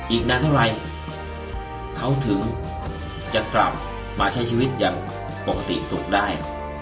อีกนานเท่าไรเขาถึงจะกลับมาใช้ชีวิตอย่างปกติสุขได้